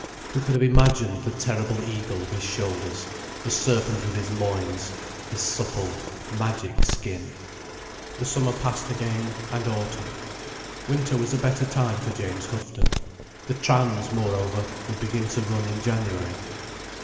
Who could have imagined the terrible eagle of his shoulders, the serpent of his loins, his supple, magic skin? The summer passed again, and autumn. Winter was a better time for James Houghton. The trams, moreover, would begin to run in January.